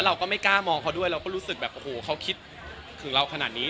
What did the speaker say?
เราก็รู้สึกแบบโอ้โหเค้าคิดขึ้นเราขนาดนี้